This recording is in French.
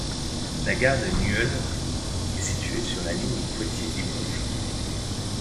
La gare de Nieul est située sur la ligne Poitiers - Limoges.